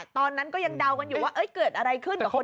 ตอนนั้นก็ยังเดากันอยู่ว่าเกิดอะไรขึ้นกับคน